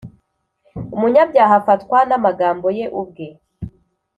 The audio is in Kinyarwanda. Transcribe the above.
Umunyabyaha afatwa n’amagambo ye ubwe,